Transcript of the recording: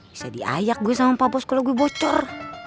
bisa diayak gue sama pak bos kalau gue bocor